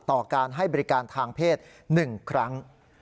ต่อการให้บริการทางเพศ๑ครั้ง